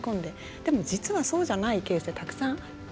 でも、実はそうじゃないケースがたくさんあって。